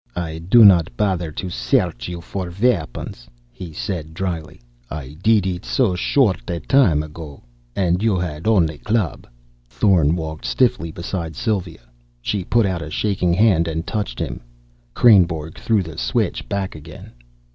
"I do not bother to search you for weapons," he said dryly. "I did it so short a time ago. And you had only a club...." Thorn walked stiffly beside Sylva. She put out a shaking hand and touched him. Kreynborg threw the switch back again.